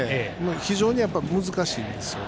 非常に難しいんですよ。